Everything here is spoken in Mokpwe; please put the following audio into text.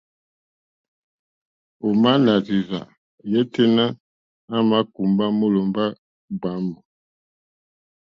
Ò má nà rzí rzâ yêténá à mà kùmbá mólòmbá gbǎmù.